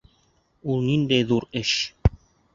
Ул ниндәй ҙур эш.